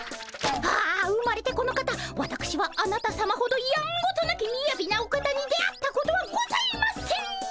ああ生まれてこの方わたくしはあなたさまほどやんごとなきみやびなお方に出会ったことはございません！